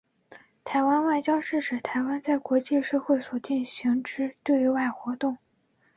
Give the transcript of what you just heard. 台湾外交是指台湾在国际社会所进行之对外活动。